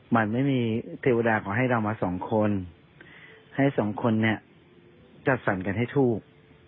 มันไม่มีเทวดาขอให้เรามาสองคนให้สองคนเนี่ยจัดสรรกันให้ถูก